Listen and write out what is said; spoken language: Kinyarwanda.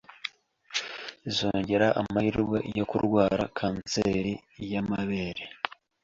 zongera amahirwe yo kurwara cancer y’amabere